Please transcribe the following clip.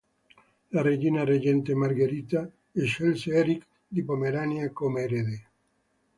La Regina-Reggente Margherita scelse Eric di Pomerania come erede.